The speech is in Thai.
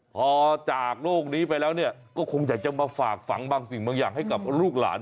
พอจากโลกนี้ไปแล้วเนี่ยก็คงอยากจะมาฝากฝังบางสิ่งบางอย่างให้กับลูกหลาน